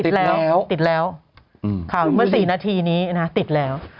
ข่าวที่เมื่อ๔นาทีนี้นะติดแล้ว